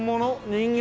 人形？